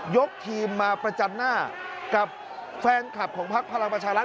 ยกทีมมาประจันหน้ากับแฟนคลับของพักพลังประชารัฐ